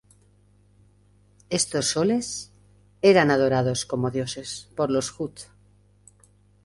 Estos "soles" eran adorados como dioses por los hutt.